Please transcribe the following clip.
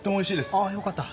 あよかった。